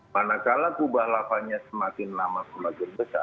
manakala kubah lavanya semakin lama semakin besar